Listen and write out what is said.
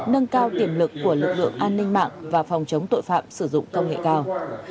nâng cao tiềm lực của lực lượng an ninh mạng và phòng chống tội phạm sử dụng công nghệ cao